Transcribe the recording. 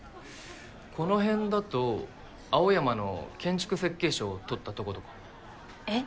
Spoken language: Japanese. この辺だと青山の建築設計賞取ったとえっ？